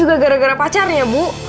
gara gara pacarnya bu